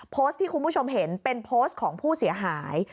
โพสต์ที่คุณผู้ชมเห็นเป็นโพสต์ของผู้เสียหาย